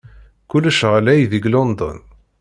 Kullec ɣlay deg London.